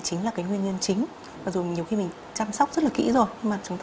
chính là cái nguyên nhân chính mặc dù nhiều khi mình chăm sóc rất là kỹ rồi mà chúng ta